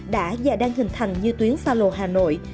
đã và đang hình thành như tuyến xa lộ hà nội